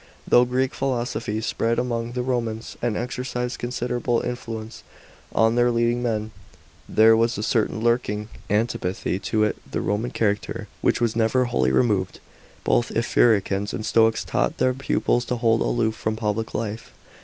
"*§ 13. Though Greek philosophy spread among the Romans and exercised considerable influence on their leading men, there was a certain lurking antipathy to it in the Roman character, which was never wholly removed. Both Epicureans and Stoics taught their pupils to hold aloof from public life.